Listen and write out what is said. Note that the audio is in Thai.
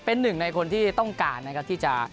เป็นหนึ่งในคนที่ต้องการนะครับที่จะ